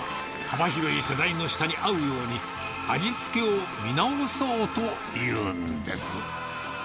幅広い世代の舌に合うように、味付けを見直そうというんです。